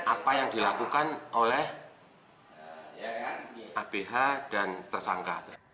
apa yang dilakukan oleh abh dan tersangka